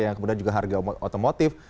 yang kemudian juga harga otomotif